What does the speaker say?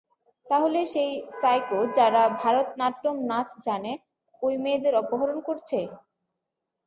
তাহলে, সেই সাইকো যারা ভারতনাট্যম নাচ জানে ওই মেয়েদের অপহরণ করছে?